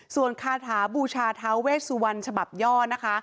ส่วนคาถาบูชาท้าเวสวรรณฉบับย่อนะคะ